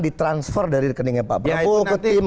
di transfer dari rekeningnya pak prabowo ke tim